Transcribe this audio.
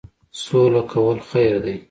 سوله کول خیر دی.